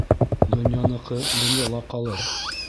Донъяныҡы донъяла ҡалыр.